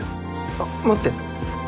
あっ待って！